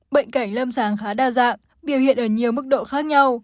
bệnh cảnh lâm sàng khá đa dạng biểu hiện ở nhiều mức độ khác nhau